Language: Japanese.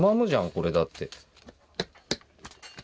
これだって。